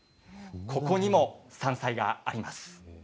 ここにも山菜があります。